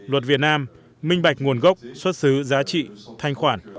luật việt nam minh bạch nguồn gốc xuất xứ giá trị thanh khoản